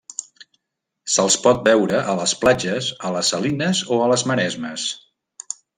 Se'ls pot veure a les platges, a les salines o a les maresmes.